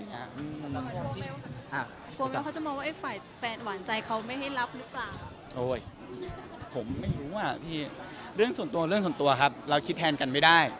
คุณพี่ผมไม่รู้นะผมร่วมส่วนตัวเราคิดแทนกันไม่ได้